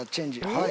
はい。